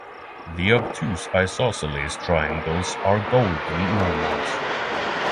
The obtuse isosceles triangles are golden gnomons.